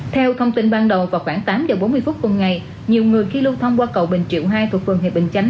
theo thông tin ban đầu vào khoảng tám h bốn mươi phút tuần ngày nhiều người khi lưu thông qua cầu bình triệu hai thuộc vườn hệ bình chánh